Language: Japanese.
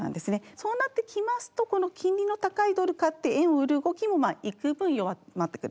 そうなってきますとこの金利の高いドル買って円を売る動きも幾分弱まってくる。